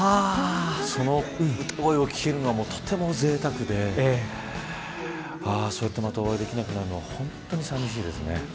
その声を聞けるのはとてもぜいたくでまたお会いできなくなるのが本当に寂しいです。